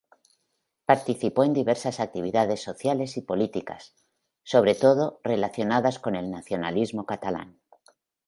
Participó en diversas actividades sociales y políticas, sobre todo relacionadas con el nacionalismo catalán.